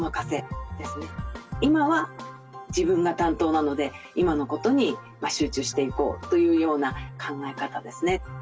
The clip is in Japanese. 今は自分が担当なので今のことに集中していこうというような考え方ですね。